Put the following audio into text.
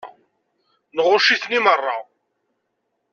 Nɣucc-iten i meṛṛa.